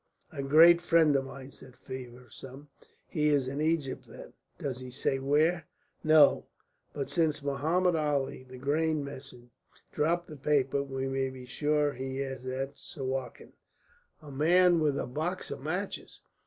"A great friend of mine," said Feversham. "He is in Egypt, then! Does he say where?" "No; but since Mohammed Ali, the grain merchant, dropped the paper, we may be sure he is at Suakin. A man with a box of matches!